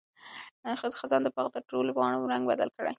خزان د باغ د ټولو پاڼو رنګ بدل کړی دی.